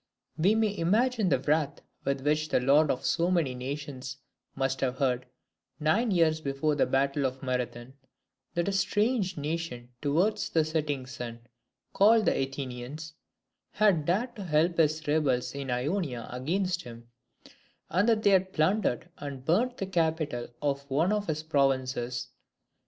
We may imagine the wrath with which the lord of so many nations must have heard, nine years before the battle of Marathon, that a strange nation towards the setting sun, called the Athenians, had dared to help his rebels in Ionia against him, and that they had plundered and burnt the capital of one of his provinces.